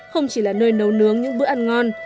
không chỉ là nơi nấu nướng những bữa ăn ngon